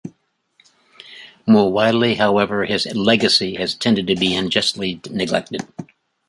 More widely, however, his legacy has tended to be unjustly neglected.